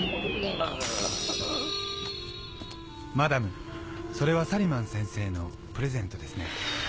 マダムそれはサリマン先生のプレゼントですね。